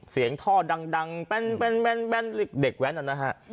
เสียงท่อดังแป้นเด็กแว้นนั่นนะฮะ